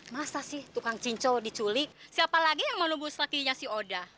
masa sih tukang cincow diculik siapa lagi yang mau lembus lakinya si oda